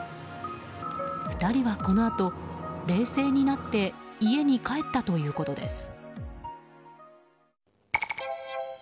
２人はこのあと冷静になって家に帰ったということです。